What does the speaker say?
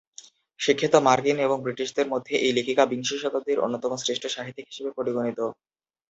শিক্ষিত মার্কিন এবং ব্রিটিশদের মধ্যে এই লেখিকা বিংশ শতাব্দীর অন্যতম শ্রেষ্ঠ সাহিত্যিক হিসেবে পরিগণিত।